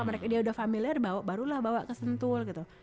mereka udah familiar baru lah bawa ke sentul gitu